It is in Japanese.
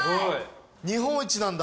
日本一なんだ。